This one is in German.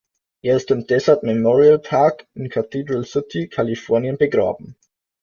Er ist im Desert Memorial Park in Cathedral City, Kalifornien begraben.